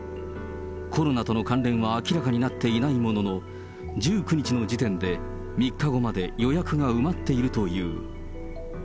コロナとの関連は明らかになっていないものの、１９日の時点で３日後まで予約が埋まっているという。